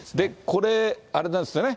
これ、あれなんですよね。